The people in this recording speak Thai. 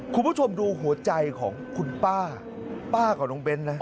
คุณผู้ชมดูหัวใจของคุณป้าป้าของน้องเบ้นนะ